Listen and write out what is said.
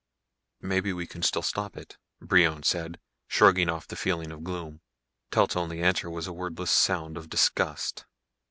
"Maybe we can still stop it," Brion said, shrugging off the feeling of gloom. Telt's only answer was a wordless sound of disgust.